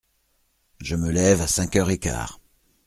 Je me lève à cinq heures et quart.